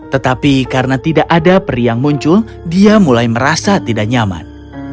tetapi karena tidak ada peri yang muncul dia mulai merasa tidak nyaman